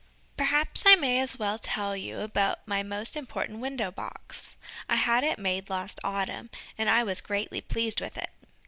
Perhaps I may as well tell you about my most important window box. I had it made last autumn, and I was greatly pleased with it.